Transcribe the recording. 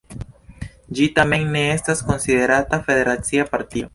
Ĝi tamen ne estas konsiderata federacia partio.